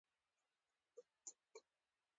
قلم د ښو خاطرو خزانه ده